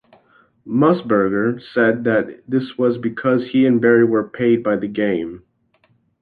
Musburger said that this was because he and Barry were paid by the game.